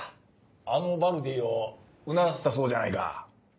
あのバルディをうならせたそうじゃないか。